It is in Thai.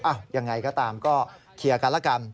ยังไงก็ตามก็เคลียร์กันแล้วกัน